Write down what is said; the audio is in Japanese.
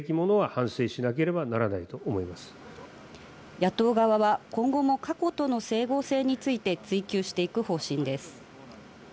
野党側は今後も過去との整合性について追及していく方針です。